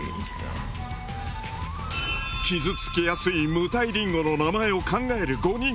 傷つきやすい無袋りんごの名前を考える５人。